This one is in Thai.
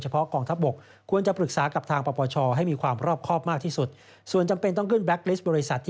มันก็จะต้องมีมากกว่าแบบฤทธิ์